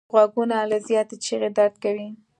غوږونه له زیاتې چیغې درد کوي